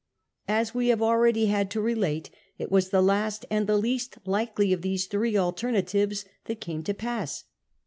As we have already had to relate, it was the last and the least likely of these three alternatives that came to pass.